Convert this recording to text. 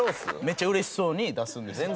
めっちゃ嬉しそうに出すんですよ。